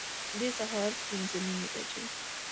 د سهار پنځه نیمي بجي